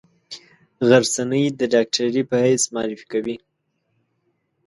غرڅنۍ د ډاکټرې په حیث معرفي کوي.